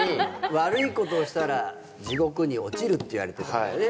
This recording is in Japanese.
悪いことしたら地獄に落ちるって言われてたからね。